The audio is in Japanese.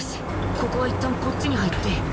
ここはいったんこっちに入って